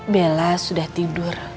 bella sudah tidur